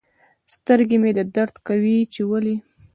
سترګي مي درد کوي چي ولي